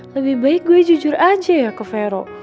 lebih baik gue jujur aja ya ke vero